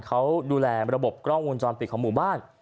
เขาดูแลระบบกล้องวงจรปิดของหมู่บ้าน